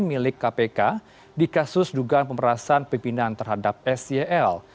ini milik kpk di kasus duga pemperasaan pimpinan terhadap sel